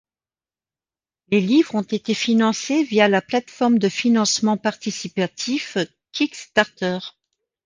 Les livres ont été financés via la plateforme de financement participatif Kickstarter.